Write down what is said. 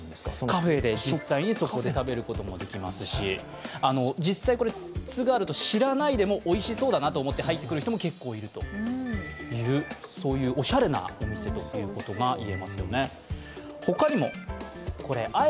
カフェで実際にそこで食べることもできますし実際、津軽だと知らないでも、おいしそうだなと思って入ってくる人も結構いるというおしゃれなお店っていうことがいえますよね。